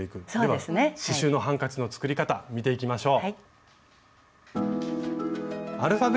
では刺しゅうのハンカチの作り方見ていきましょう。